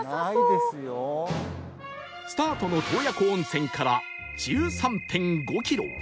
スタートの洞爺湖温泉から １３．５ キロ